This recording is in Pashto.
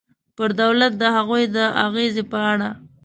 پر دولت د هغوی د اغېزې په اړه.